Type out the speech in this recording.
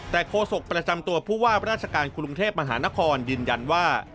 แต่โฆษกประจำตัวผู้ว่าราชการกรุงเทพมหานครยืนยันว่า